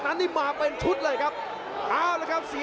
ต้นอันอะคินทั้งสี